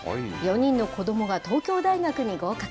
４人の子どもが東京大学に合格。